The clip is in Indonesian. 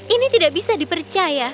ini tidak bisa dipercaya